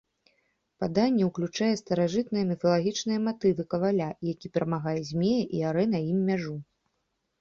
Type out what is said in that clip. Паданне ўключае старажытныя міфалагічныя матывы каваля, які перамагае змея і арэ на ім мяжу.